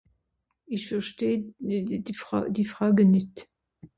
Ìch versteh d...d...d... di Fra... die Frage nìt.